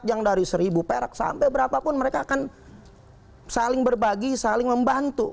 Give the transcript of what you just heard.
yang dari seribu perak sampai berapapun mereka akan saling berbagi saling membantu